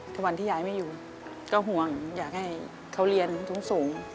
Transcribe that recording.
ทุกวันที่ยายไม่อยู่ก็ห่วงอยากให้เขาเรียนสูง